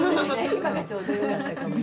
今がちょうどよかったかもね。